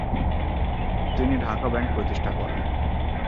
তিনি ঢাকা ব্যাংক প্রতিষ্ঠা করেন।